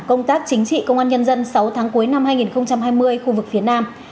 công tác chính trị công an nhân dân sáu tháng cuối năm hai nghìn hai mươi khu vực phía nam